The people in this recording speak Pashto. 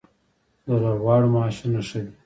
د لوبغاړو معاشونه ښه دي؟